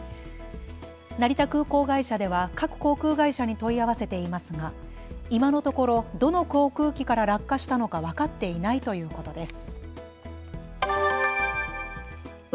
成田空港会社では各航空会社に問い合わせていますが今のところ、どの航空機から落下したのか分かっていないということです。